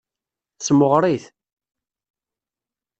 Semɣer-it.